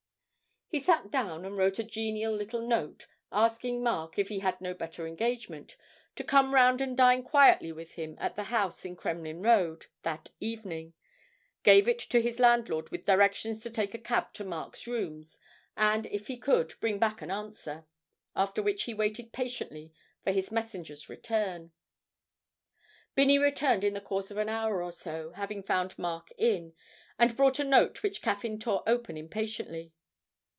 He sat down and wrote a genial little note, asking Mark, if he had no better engagement, to come round and dine quietly with him at the house in Kremlin Road that evening, gave it to his landlord with directions to take a cab to Mark's rooms, and if he could, bring back an answer, after which he waited patiently for his messenger's return. Binney returned in the course of an hour or so, having found Mark in, and brought a note which Caffyn tore open impatiently.